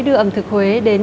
đưa ẩm thực huế đến huế